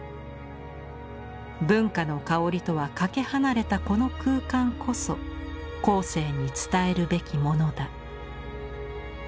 文化の香りとはかけ離れたこの空間こそ後世に伝えるべきものだ。